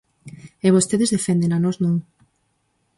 E vostedes deféndena, nós non.